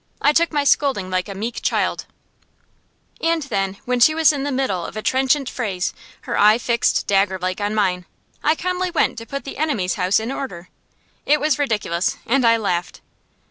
I took my scolding like a meek child; and then, when she was in the middle of a trenchant phrase, her eye fixed daggerlike on mine, I calmly went to put the enemy's house in order! It was ridiculous, and I laughed.